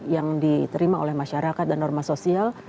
yang diterima oleh masyarakat dan norma sosial